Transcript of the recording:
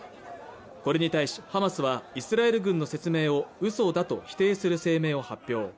これに対しハマスはイスラエル軍の説明はうそだと否定する声明を発表